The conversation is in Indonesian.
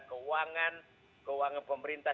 keuangan keuangan pemerintah